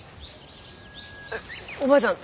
えっおばあちゃん